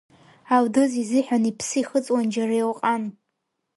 Алдыз изыҳәан иԥсы ихыҵуан џьара Елҟан.